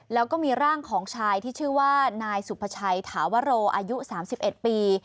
แล้วก็มีร่างของชายที่ชื่อว่านายสุภาชัยถาวโรอายุ๓๑ปี